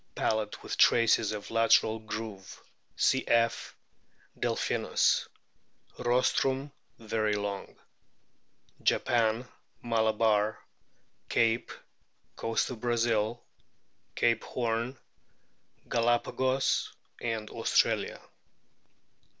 Palate with traces of lateral groove (cf. Delphinus). Rostrum very long. Japan, Malabar, Cape, Coast of Brazil, Cape Horn, Galapagos, Australia.